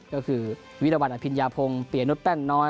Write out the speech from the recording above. ก็คือวิทยาวันอภิญาพงศ์เตียนนท์แป้งน้อย